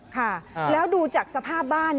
ค่ะแล้วดูจากสภาพบ้าน